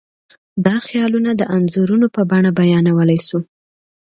دا خیالونه د انځورونو په بڼه بیانولی شو.